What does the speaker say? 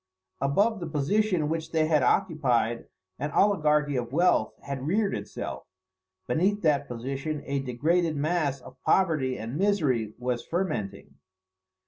Above the position which they had occupied, an oligarchy of wealth had reared itself: beneath that position a degraded mass of poverty and misery was fermenting.